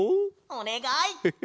おねがい！